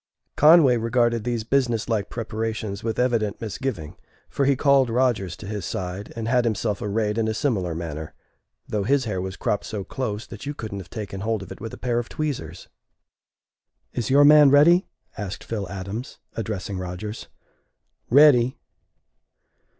Conway regarded these business like preparations with evident misgiving, for he called Rodgers to his side, and had himself arrayed in a similar manner, though his hair was cropped so close that you couldn't have taken hold of it with a pair of tweezers. "Is your man ready?" asked Phil Adams, addressing Rodgers. "Ready!"